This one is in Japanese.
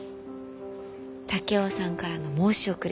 竹雄さんからの申し送り